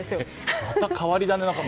また変わり種を。